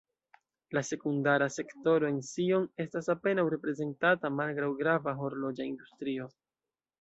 La sekundara sektoro en Sion estas apenaŭ reprezentata malgraŭ grava horloĝa industrio.